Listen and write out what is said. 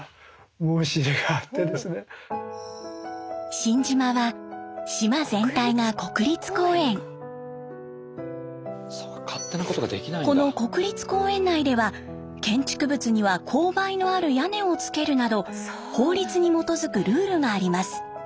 新島はこの国立公園内では建築物には勾配のある屋根をつけるなど法律に基づくルールがあります。